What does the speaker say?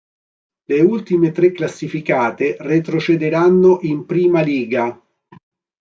Le ultime tre classificate retrocederanno in I liga.